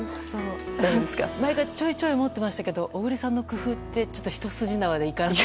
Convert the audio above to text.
前からちょいちょい思っていましたけど小栗さんの工夫ってひと筋縄でいかない。